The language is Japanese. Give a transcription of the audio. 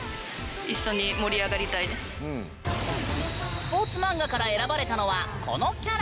スポーツマンガから選ばれたのはこのキャラ！